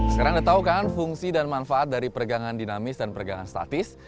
sekarang anda tahu kan fungsi dan manfaat dari pergangan dinamis dan pergangan statis